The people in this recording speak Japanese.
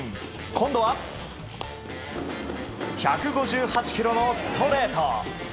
今度は、１５８キロのストレート。